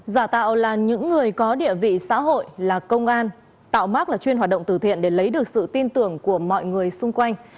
giả tạo là những người có địa vị xã hội là công an tạo mát là chuyên hoạt động từ thiện để lấy được sự tin tưởng của mọi người xung quanh